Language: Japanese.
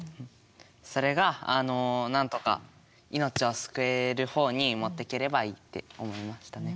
それがなんとか命を救える方に持っていければいいって思いましたね。